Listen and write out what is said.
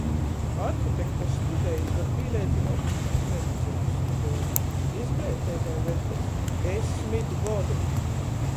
Arhitekta studejis var pīleidzynuot pat medicinys studejom – izgleiteibai veļteits desmit godu.